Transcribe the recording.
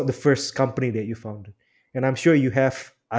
bukan perusahaan pertama yang anda temukan